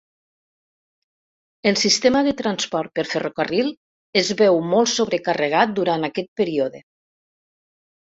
El sistema de transport per ferrocarril es veu molt sobrecarregat durant aquest període.